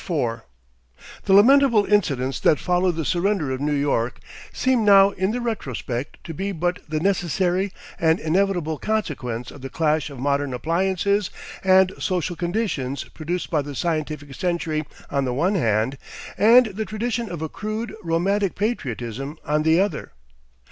4 The lamentable incidents that followed the surrender of New York seem now in the retrospect to be but the necessary and inevitable consequence of the clash of modern appliances and social conditions produced by the scientific century on the one hand, and the tradition of a crude, romantic patriotism on the other.